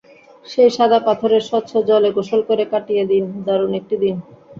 সেই সাদা পাথরের স্বচ্ছ জলে গোসল করে কাটিয়ে দিন দারুণ একটি দিন।